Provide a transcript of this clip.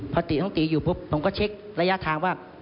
พอตีน้องตีอยู่ปุ๊บผมก็เช็คระยะทางว่า